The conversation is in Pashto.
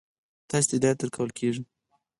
تاسې ته هدایت درکول کیږي.